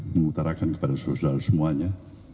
mengutarakan kepada saudara saudara semuanya